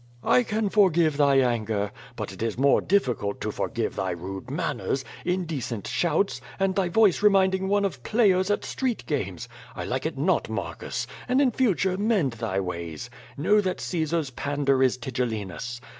"I can forgive thy anger. But it is more difficult to for give thy rude manners^ indecent shouts, and thy voice re minding one of players at street games. I like it not, Mar cus; and in future mend thy ways. Know that Caesar's pander is Tigellinus.